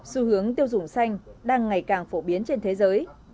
xu hướng tiêu dùng xanh đang ngày càng phổ biến trên thế giới